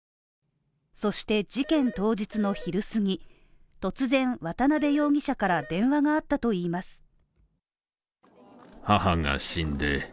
そして事件当日の昼過ぎ突然、渡辺容疑者から電話があったといいます。